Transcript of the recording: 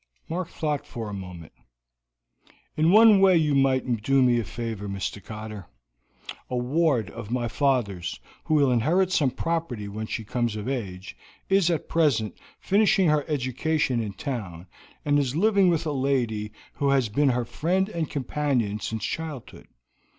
Mark thought for a moment. "In one way you might do me a favor, Mr. Cotter. A ward of my father's, who will inherit some property when she comes of age, is at present finishing her education in town, and is living with a lady who has been her friend and companion since childhood.